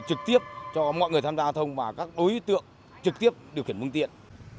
trực tiếp cho mọi người tham gia thông và các đối tượng trực tiếp điều khiển vương tiện